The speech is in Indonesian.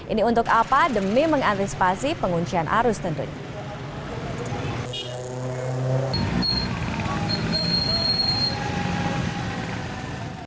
ini untuk apa demi mengantisipasi penguncian arus tentunya